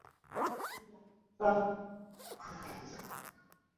আমরা কি সত্যিই যাচ্ছি?